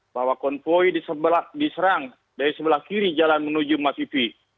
bahwa konvoy diserang dari sebelah kiri jalan menuju masifi